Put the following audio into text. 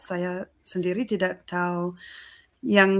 saya sendiri tidak tahu yang